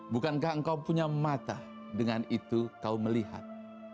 bukankah engkau punya mata dengan itu kau melihat